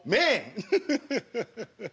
フフフフフフ。